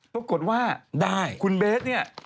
ปรากฏว่าได้คุณเบสเนี่ย